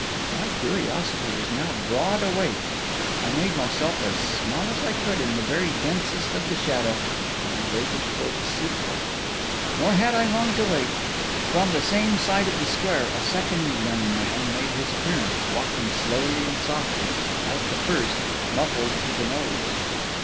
My curiosity was now broad awake. I made myself as small as I could in the very densest of the shadow, and waited for the sequel. Nor had I long to wait. From the same side of the square a second young man made his appearance, walking slowly and softly, and like the first, muffled to the nose.